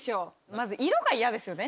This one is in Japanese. まず色が嫌ですよね。